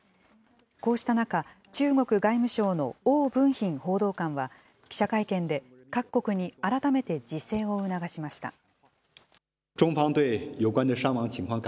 こうした中、中国外務省の汪文斌報道官は、記者会見で、各国に改めて自制を促しました。